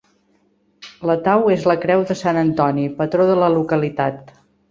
La tau és la creu de sant Antoni, patró de la localitat.